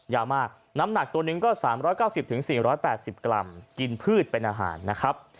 ยาวมากน้ำหนักตัวหนึ่งก็๓๙๐๔๘๐กรัมกินพืชเป็นอาหารนะครับ